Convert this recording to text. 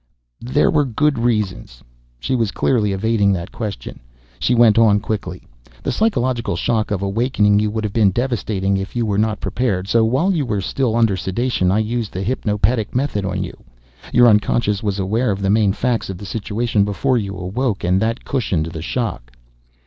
"There were good reasons." She was, clearly, evading that question. She went on quickly. "The psychological shock of awakening would have been devastating, if you were not prepared. So, while you were still under sedation, I used the hypnopedic method on you. Your unconscious was aware of the main facts of the situation before you awoke, and that cushioned the shock."